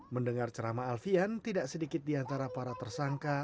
mendengar ceramah alfian tidak sedikit di antara para tersangka